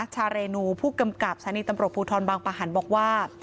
ชาเรนูผู้กำกับสถานีตำรวจภูทรบางประหันบอกว่า